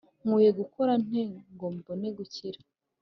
nkwiriye gukora nte, ngo mbone gukira?